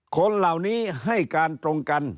คนเหล่านี้ให้การตรงกัน